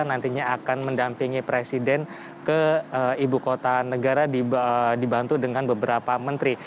nantinya akan mendampingi presiden ke ibu kota negara dibantu dengan beberapa menteri